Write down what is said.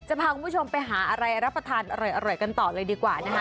พาคุณผู้ชมไปหาอะไรรับประทานอร่อยกันต่อเลยดีกว่านะคะ